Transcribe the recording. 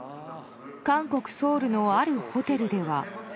韓国ソウルのあるホテルでは。